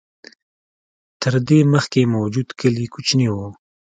تر دې مخکې موجود کلي کوچني و.